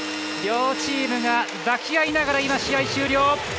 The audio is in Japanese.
両チームが抱き合いながら試合終了。